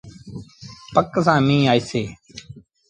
پڪ سآݩ ميݩهن آئيٚسي۔